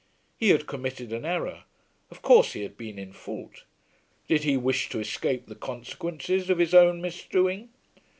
He had committed an error. Of course he had been in fault. Did he wish to escape the consequences of his own misdoing?